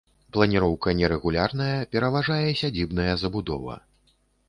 Планіроўка нерэгулярная, пераважае сядзібная забудова.